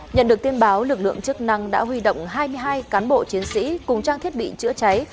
nhận được tin báo lực lượng chức năng đã huy động hai mươi hai cán bộ chiến sĩ cùng trang thiết bị chữa cháy